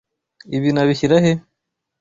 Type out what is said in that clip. Ibi nabishyira he?